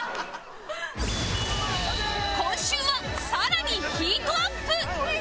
今週は更にヒートアップ！